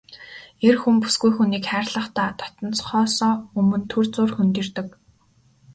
Эр хүн бүсгүй хүнийг хайрлахдаа дотносохоосоо өмнө түр зуур хөндийрдөг.